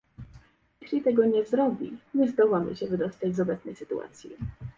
Jeśli tego nie zrobi, nie zdołamy się wydostać z obecnej sytuacji